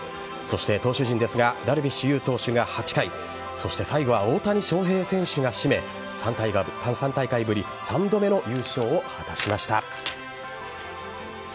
投手陣ですがダルビッシュ有投手が８回そして最後は大谷翔平選手が絞め３大会ぶり３度目の優勝を果たしました。